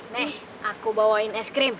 nih aku bawain es krim